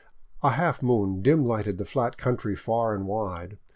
A half moon dim lighted the flat country far and wide.